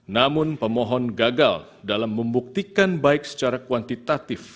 namun pemohon gagal dalam membuktikan baik secara kuantitatif